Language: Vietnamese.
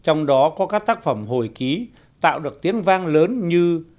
cuốn sách trong đó có các tác phẩm hồi ký tạo được tiếng vang lớn như